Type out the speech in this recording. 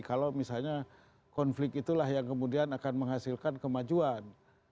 kalau misalnya konflik itulah yang kemudian akan menghasilkan kemajuan